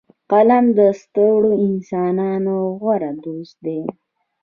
قلم د سترو انسانانو غوره دوست دی